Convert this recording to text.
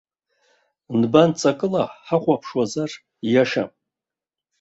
Нбанҵакыла ҳахәаԥшуазар, ииашам.